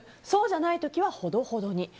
そうじゃない時はほどほどに。